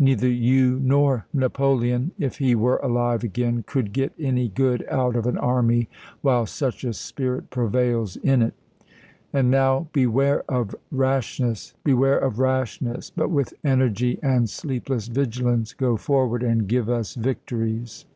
Neither you nor Napoleon, if he were alive again, could get any good out of an army while such a spirit prevails in it. And now beware of rashness. Beware of rashness, but with energy and sleepless vigilance go forward and give us victories."